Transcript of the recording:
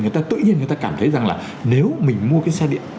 người ta tự nhiên người ta cảm thấy rằng là nếu mình mua cái xe điện